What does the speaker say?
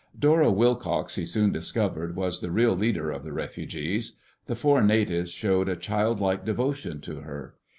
Dora Wilcox, he soon discovered, was the real leader of the refugees. The four natives showed a childlike devotion to her.